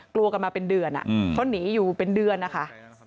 กลัวกันมาเป็นเดือนเพราะหนีอยู่เป็นเดือนนะคะ